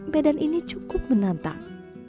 bedan ini cukup menantang